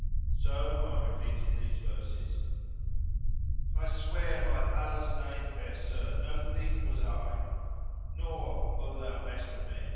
So I repeated these verses:— "I swear by Allah's name, fair sir! no thief was I, * Nor, O thou best of men!